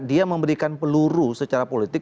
dia memberikan peluru secara politik